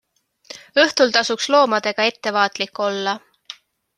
Õhtul tasuks loomadega ettevaatlik olla.